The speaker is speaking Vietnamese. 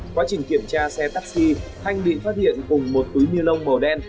quá trình kiểm tra xe taxi thanh bị phát hiện cùng một túi nilông màu đen